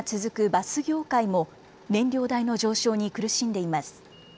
バス業界も燃料代の上昇に苦しんでいます。